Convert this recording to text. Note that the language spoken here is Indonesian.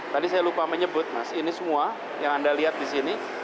tadi saya lupa menyebut mas ini semua yang anda lihat di sini